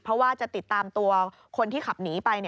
เพราะว่าจะติดตามตัวคนที่ขับหนีไป